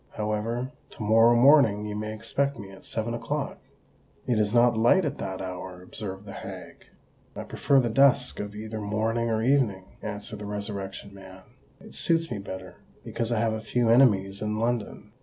However, to morrow morning you may expect me at seven o'clock——" "It is not light at that hour," observed the hag. "I prefer the dusk of either morning or evening," answered the Resurrection Man. "It suits me better—because I have a few enemies in London.